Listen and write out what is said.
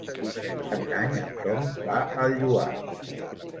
Per Cap d'Any en Tom va al Lloar.